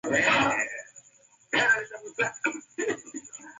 Kupata ushauri kwa wataalamu ya mambo ya mifugo ni muhimu sana